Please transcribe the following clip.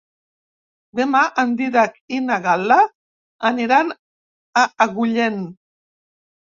Demà en Dídac i na Gal·la aniran a Agullent.